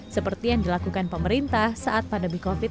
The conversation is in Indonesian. seperti yang dilakukan pemerintah saat pandemi covid sembilan belas